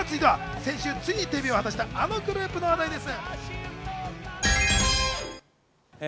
先週ついにデビューした、あのグループの話題です。